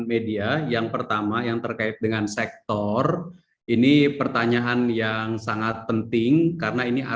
media yang pertama yang terkait dengan sektor ini pertanyaan yang sangat penting karena ini